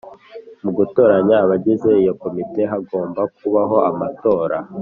Mu gutoranya abagize iyo Komite hagomba kubaho amatora